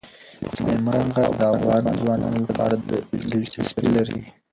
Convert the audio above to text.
سلیمان غر د افغان ځوانانو لپاره دلچسپي لري.